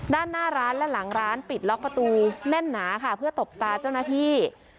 ด้านหน้าร้านและหลังร้านปิดล็อกประตูแน่นหนาค่ะเพื่อตบตาเจ้าหน้าที่